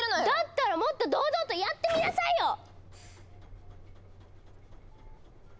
だったらもっと堂々とやってみなさいよ！